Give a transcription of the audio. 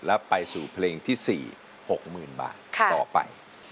แล้วไปสู่เพลงที่๔เพลงที่๕มูลค่า๖๐๐๐๐อามาตรี